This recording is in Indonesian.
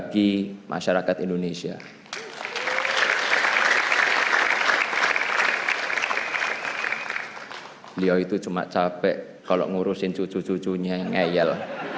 beliau itu cuma capek kalau ngurusin cucu cucunya yang ngeyel